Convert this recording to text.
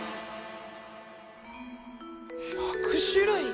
１００種類。